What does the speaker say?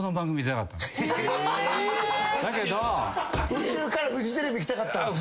宇宙からフジテレビ来たかったんすか？